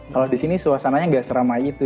kalau di sini suasananya nggak seramai itu